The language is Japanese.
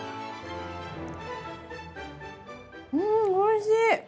うん、おいしい。